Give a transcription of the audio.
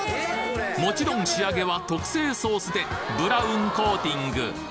もちろん仕上げは特製ソースでブラウンコーティング！